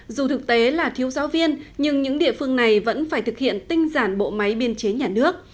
dù thực tế là thiếu giáo viên nhưng những địa phương này vẫn phải thực hiện tinh giản bộ máy biên chế nhà nước